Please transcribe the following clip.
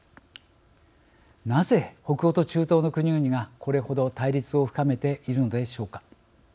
なぜ、北欧と中東の国々がこれほど対立を深めているのでしょうか。